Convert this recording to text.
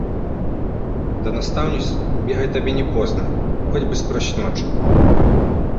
Да настаўніц бегаць табе не позна, хоць бы скрозь ноч.